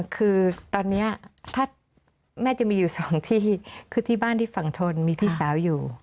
คือตอนนี้ถ้าแม่จะมีอยู่สองที่คือที่บ้านที่ฝั่งทนมีพี่สาวอยู่